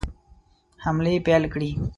حملې پیل کړې.